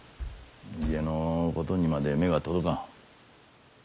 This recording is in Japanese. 家のことにまで目が届かん。